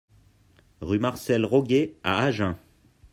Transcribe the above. Rue Marcel Rogué à Agen